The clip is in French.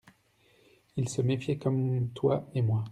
Ils se méfiaient comme toi et moi.